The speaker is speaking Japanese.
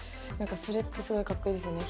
それってすごいかっこいいですよね。